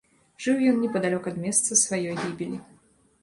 Жыў ён непадалёк ад месца сваёй гібелі.